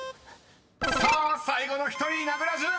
［さあ最後の１人名倉潤！］